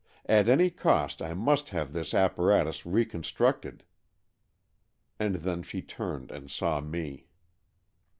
At any cost I must have this apparatus reconstructed." And then she turned and saw me.